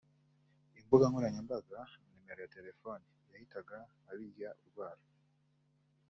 imbuga nkoranyambaga na nimero ya Telefone yahitaga abirya urwara